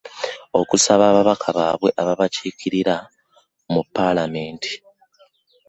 Okusaba ababaka baabwe ababakiikirira mu Paalamenti.